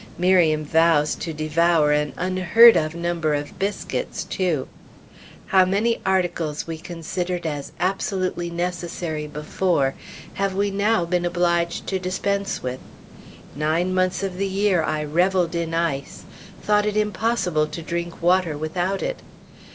Miriam vows to devour an unheard of number of biscuits, too. How many articles we considered as absolutely necessary, before, have we now been obliged to dispense with! Nine months of the year I reveled in ice, thought it impossible to drink water without it.